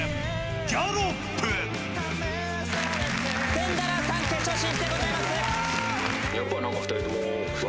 テンダラーさん決勝進出でございます。